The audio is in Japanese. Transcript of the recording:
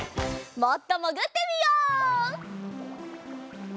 もっともぐってみよう。